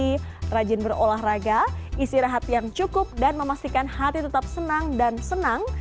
jadi rajin berolahraga istirahat yang cukup dan memastikan hati tetap senang dan senang